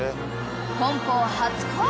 ［本邦初公開！